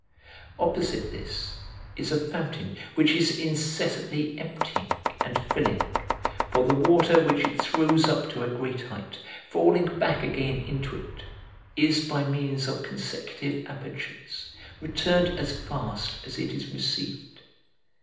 Opposite this is a fountain which is incessantly emptying and filling, for the water which it throws up to a great height, falling back again into it, is by means of consecutive apertures returned as fast as it is received.